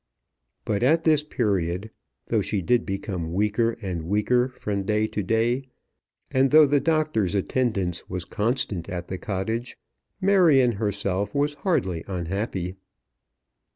But at this period, though she did become weaker and weaker from day to day, and though the doctor's attendance was constant at the cottage, Marion herself was hardly unhappy.